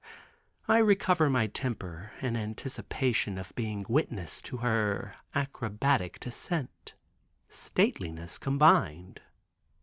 I recover my temper in anticipation of being witness to her acrobatic descent—stateliness combined.